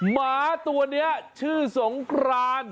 หมาตัวนี้ชื่อสงคราน